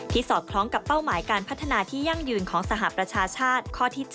สอดคล้องกับเป้าหมายการพัฒนาที่ยั่งยืนของสหประชาชาติข้อที่๗